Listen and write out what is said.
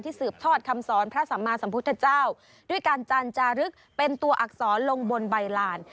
สืบทอดคำสอนพระสัมมาสัมพุทธเจ้าด้วยการจันจารึกเป็นตัวอักษรลงบนใบลาน